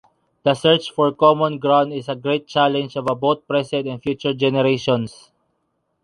The search for common ground is a great challenge of both present and future generations.